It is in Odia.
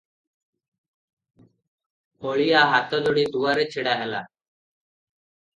ହଳିଆ ହାତଯୋଡ଼ି ଦୁଆରେ ଛିଡ଼ାହେଲା ।